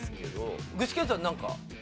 具志堅さんなんか。